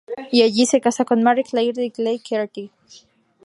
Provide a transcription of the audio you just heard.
Y, allí, se casa con Marie Claire Decay Cartier.